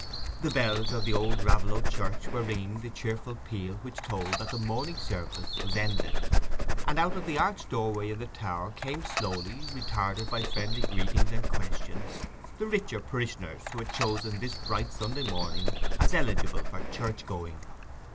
The bells of the old Raveloe church were ringing the cheerful peal which told that the morning service was ended; and out of the arched doorway in the tower came slowly, retarded by friendly greetings and questions, the richer parishioners who had chosen this bright Sunday morning as eligible for church going.